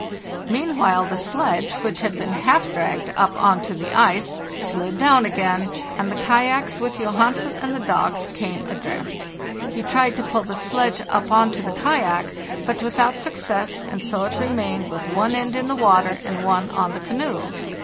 Meanwhile the sledge, which had been half dragged up on to the ice, sid down again, and the kayaks, with Johansen and the dogs, came adrift. He tried to pull the sledge up on to the kayak, but without success, and so it remained with one end in the water and one on the canoe.